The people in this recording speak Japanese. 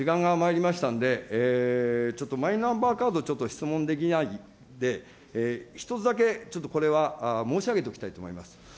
時間が参りましたので、ちょっとマイナンバーカード、ちょっと質問できないんで、一つだけ、ちょっとこれは申し上げておきたいと思います。